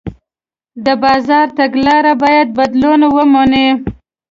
د بازار تګلاره باید بدلون ومني.